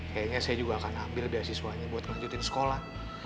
kayaknya saya juga akan ambil beasiswanya buat ngelanjutin sekolah